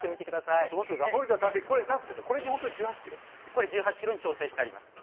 これ１８ｋｇに調整してあります。